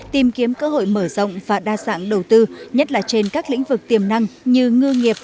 tìm kiếm cơ hội mở rộng và đa dạng đầu tư nhất là trên các lĩnh vực tiềm năng như ngư nghiệp